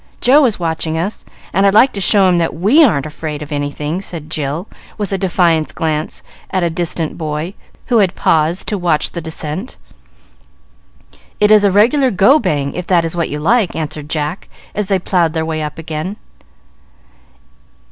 Joe is watching us, and I'd like to show him that we aren't afraid of anything," said Jill, with a defiant glance at a distant boy, who had paused to watch the descent. "It is a regular 'go bang,' if that is what you like," answered Jack, as they plowed their way up again.